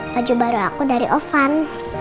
baju baru aku dari ovan